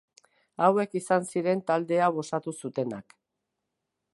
Hauek izan ziren talde hau osatu zutenak.